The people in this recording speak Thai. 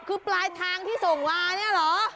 คือปลายทางที่ส่งมาเนี่ยเหรอ